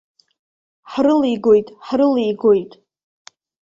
Ҳрылигоит, ҳрылигоит.